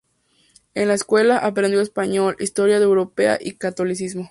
En la escuela, aprendió español, historia europea y catolicismo.